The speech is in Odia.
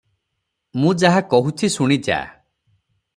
ମୁଁ ଯାହା କହୁଛି, ଶୁଣି ଯା ।